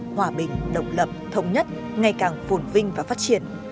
hòa bình độc lập thống nhất ngày càng phồn vinh và phát triển